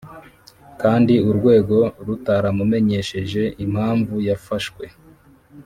kandi urwego rutaramumenyesheje impamvu yafashwe